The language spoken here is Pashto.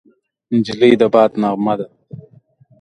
نجلۍ د باد نغمه ده.